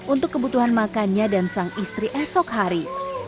untuk kebutuhan makannya dan sang istri esok hari